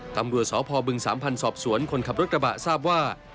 ตำรวจสพบึงสามพันธ์สอบสวนคนขับรถกระบะทราบว่า